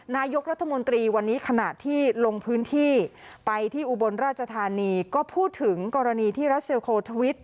นายกรัฐมนตรีวันนี้ขณะที่ลงพื้นที่ไปที่อุบลราชธานีก็พูดถึงกรณีที่รัสเซลโคทวิต